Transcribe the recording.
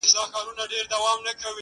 o ستا د سترگو جام مي د زړه ور مات كـړ؛